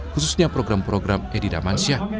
khususnya program program edi damansyah